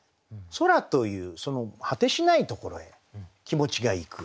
空という果てしないところへ気持ちがいく。